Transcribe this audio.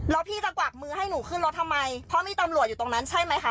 แล้วพี่จะกวักมือให้หนูขึ้นรถทำไมเพราะมีตำรวจอยู่ตรงนั้นใช่ไหมคะ